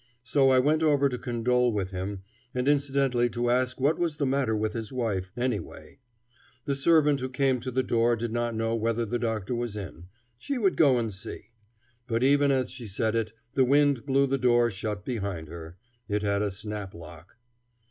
So I went over to condole with him, and incidentally to ask what was the matter with his wife, any way. The servant who came to the door did not know whether the doctor was in; she would go and see. But even as she said it the wind blew the door shut behind her. It had a snap lock.